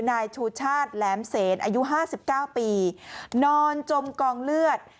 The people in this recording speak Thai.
นายชูชาติแหลมเสนอายุ๕๙ปีนอนจมกองเลือด